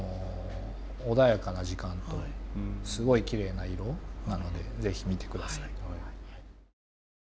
穏やかな時間とすごいきれいな色なのでぜひ見て下さい。